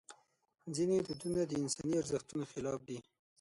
ځینې دودونه د انساني ارزښتونو خلاف دي.